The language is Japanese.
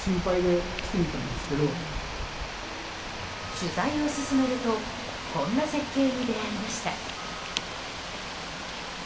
取材を進めるとこんな絶景に出会いました。